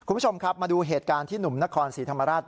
คุณผู้ชมครับมาดูเหตุการณ์ที่หนุ่มนครศรีธรรมราช